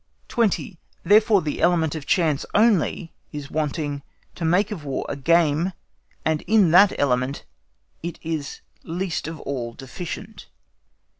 20. THEREFORE, THE ELEMENT OF CHANCE ONLY IS WANTING TO MAKE OF WAR A GAME, AND IN THAT ELEMENT IT IS LEAST OF ALL DEFICIENT.